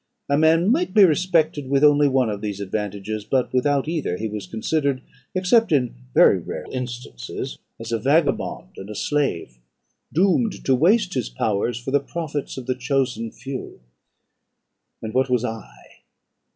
A man might be respected with only one of these advantages; but, without either, he was considered, except in very rare instances, as a vagabond and a slave, doomed to waste his powers for the profits of the chosen few! And what was I?